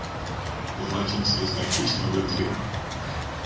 The legend says that Krishna lived here.